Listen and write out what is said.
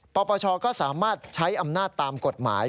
ปปชก็สามารถใช้อำนาจตามกฎหมาย